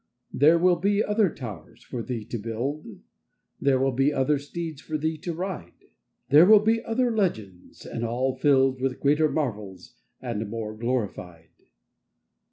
There will be other towers for thee to build; There will be other steeds for thee to ride; There will be other legends, and all filled With greater marvels and more glorified.